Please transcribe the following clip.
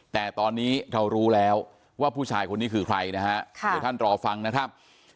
แต่ตอนนี้เรารู้แล้วว่าผู้ชายคนนี้คือใครนะฮะเดี๋ยวท่านรอฟังนะครับ